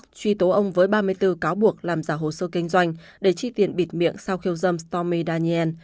truy tố ông với ba mươi bốn cáo buộc làm giả hồ sơ kinh doanh để tri tiện bịt miệng sau khiêu dâm stormy daniel